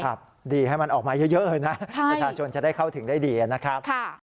ดีให้มันออกมาเยอะเลยนะประชาชนจะได้เข้าถึงได้ดีนะครับ